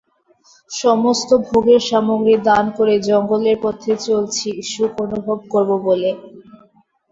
সমস্ত ভোগের সামগ্রী দান করে জঙ্গলের পথে চলছি সুখ অনুভব করব বলে।